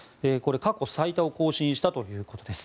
過去最多を更新したということです。